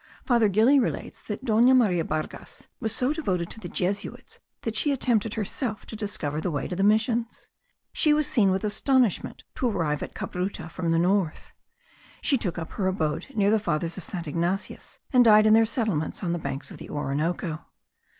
Father Gili relates that Dona Maria Bargas was so devoted to the Jesuits that she attempted herself to discover the way to the missions. She was seen with astonishment to arrive at Cabruta from the north. She took up her abode near the fathers of St. Ignatius, and died in their settlements on the banks of the Orinoco.